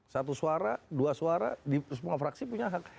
satu suara dua suara di semua fraksi punya hak